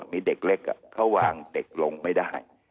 มีเด็กเล็กเขาวางเด็กลงไม่ได้